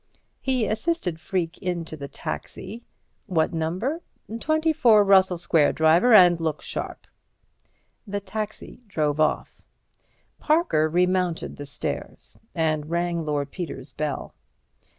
He assisted Freke into the taxi. "What number? 24 Russell Square, driver, and look sharp." The taxi drove off. Parker remounted the stairs and rang Lord Peter's bell.